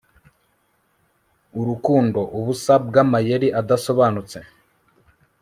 urukundo, ubusa bwamayeri adasobanutse